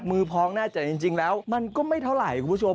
มือพ้องแน่จังจริงแล้วมันก็ไม่เท่าไรครับคุณผู้ชม